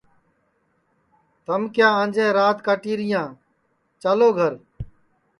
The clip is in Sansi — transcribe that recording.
تھم کیا انجے رات کاٹیریاں چالو گھر